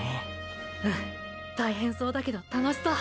うん大変そうだけど楽しそう！！